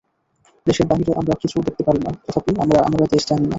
দেশের বাহিরে আমরা কিছু দেখিতে পারি না, তথাপি আমরা দেশ জানি না।